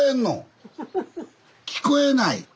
聞こえない？